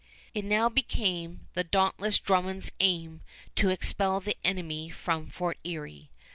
It now became the dauntless Drummond's aim to expel the enemy from Fort Erie.